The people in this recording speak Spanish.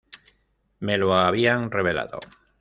Me lo habían revelado.